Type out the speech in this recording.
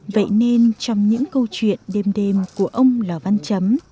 vậy nên trong những câu chuyện đêm đêm của ông lò văn chấm